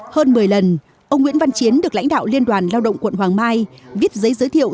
hơn một mươi lần ông nguyễn văn chiến được lãnh đạo liên đoàn lao động quận hoàng mai viết giấy giới thiệu